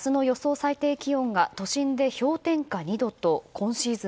最低気温が都心で氷点下２度と今シーズン